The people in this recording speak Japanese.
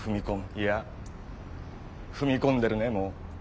いや踏み込んでるねもう。